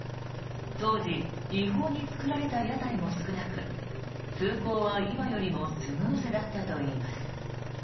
当時違法に作られた屋台も少なく通行は今よりもスムーズだったといいます。